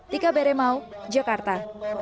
tika beremao jakarta